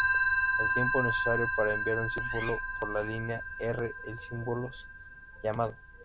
El tiempo necesario para enviar un símbolo por la línea r, el "símbolos" llamado.